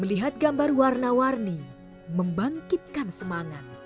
melihat gambar warna warni membangkitkan semangat